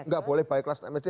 gak boleh balik kelas enam sd